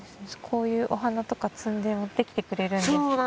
こういうお花とか摘んで持ってきてくれるんですね。